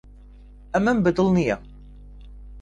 ئەمەم بەدڵ نییە.